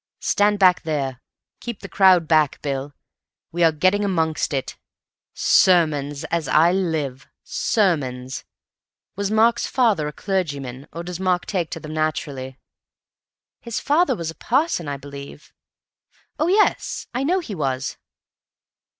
"Stand back there. Keep the crowd back, Bill. We are getting amongst it. Sermons, as I live. Sermons. Was Mark's father a clergyman, or does Mark take to them naturally?" "His father was a parson, I believe. Oh, yes, I know he was."